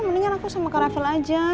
mendingan aku sama kak rafael aja